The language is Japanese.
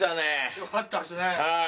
よかったですね。